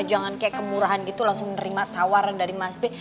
jangan kayak kemurahan gitu langsung nerima tawaran dari mas b